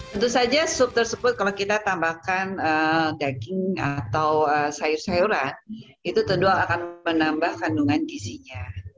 tentu saja sup tersebut kalau kita tambahkan daging atau sayur sayuran itu tentu akan menambah kandungan gizinya